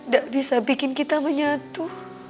gak bisa bikin kita menyatu